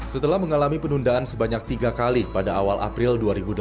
setelah mengalami penundaan sebanyak tiga kali pada awal april dua ribu delapan belas